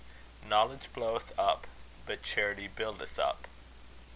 Knowledge bloweth up, but charity buildeth up.